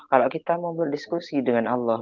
kalau kita mau berdiskusi dengan allah